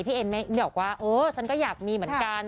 เอ็มบอกว่าเออฉันก็อยากมีเหมือนกัน